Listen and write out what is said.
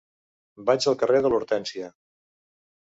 Vaig al carrer de l'Hortènsia.